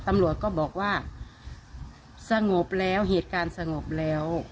ตำรวจก็บอกว่าสงบแล้วเหตุการณ์สงบแล้ว